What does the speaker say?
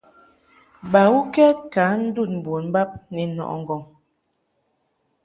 Bawukɛd ka ndun bon bab ni nɔʼɨ ŋgɔŋ.